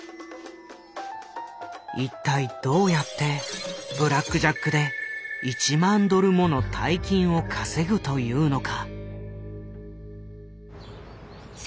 一体どうやってブラックジャックで１万ドルもの大金を稼ぐというのか？